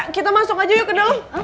kita masuk aja yuk ke dalam